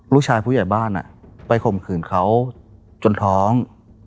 ผู้ใหญ่บ้านไปข่มขืนเขาจนท้อง